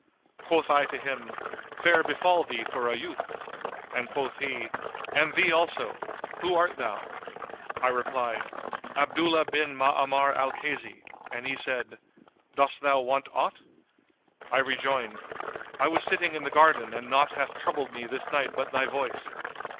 Quoth I to him, "Fair befal thee for a youth!"; and quoth he, "And thee also! Who art thou?" I replied, "Abdullah bin Ma'amar al Kaysi;" and he said, "Dost thou want aught?" I rejoined, "I was sitting in the garden and naught hath troubled me this night but thy voice.